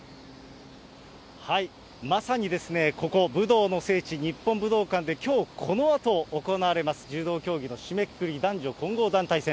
まさにここ、武道の聖地、日本武道館で、きょう、このあと行われます、柔道競技の締めくくり、男女混合団体戦。